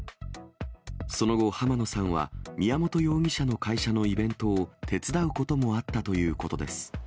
その後、浜野さんは宮本容疑者の会社のイベントを手伝うこともあったということです。